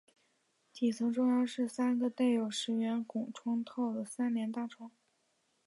底层中央是三个带有石圆拱窗套的三联大窗。